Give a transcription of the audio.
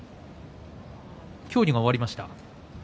協議が終わりました。